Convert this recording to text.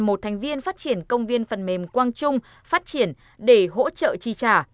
một thành viên phát triển công viên phần mềm quang trung phát triển để hỗ trợ chi trả